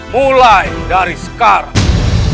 mulai dari sekarang